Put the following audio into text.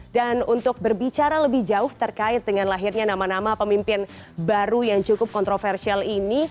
dan untuk berbicara lebih jauh terkait dengan lahirnya nama nama pemimpin baru yang cukup kontroversial ini